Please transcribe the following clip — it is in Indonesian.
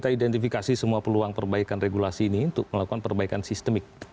kita identifikasi semua peluang perbaikan regulasi ini untuk melakukan perbaikan sistemik